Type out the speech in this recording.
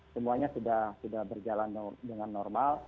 semuanya sudah berjalan dengan normal